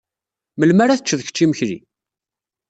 Melmi ara teččeḍ kečč imekli?